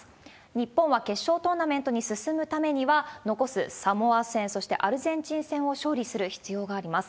日本は決勝トーナメントに進むためには、残すサモア戦、そしてアルゼンチン戦を勝利する必要があります。